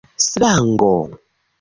slango